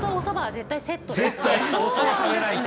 おそば食べないと。